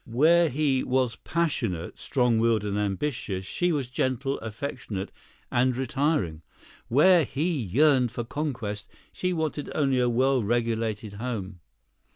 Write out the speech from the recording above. Where he was passionate, strong willed and ambitious, she was gentle, affectionate and retiring. Where he yearned for conquest, she wanted only a well regulated home.